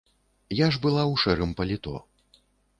Я ж была ў шэрым паліто.